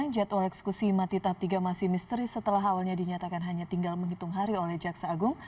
jadwal eksekusi mati tahap tiga masih misteri setelah awalnya dinyatakan hanya tinggal menghitung hari oleh jaksa agung